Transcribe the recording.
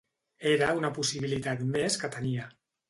Era una possibilitat més que tenia.